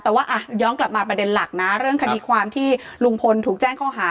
แต่ว่าย้อนกลับมาประเด็นหลักนะเรื่องคดีความที่ลุงพลถูกแจ้งข้อหา